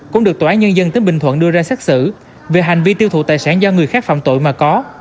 cũng được tòa án nhân dân tỉnh bình thuận đưa ra xác xử về hành vi tiêu thụ tài sản do người khác phạm tội mà có